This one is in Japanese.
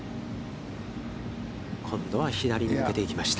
今度は左に抜けていきました。